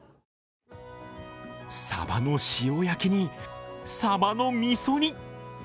サバの塩焼きに、サバの味噌煮。